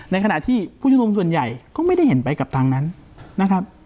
ในขณะที่ผู้ชมนุมส่วนใหญ่ก็ไม่ได้เห็นไปกับทางนั้นนะครับ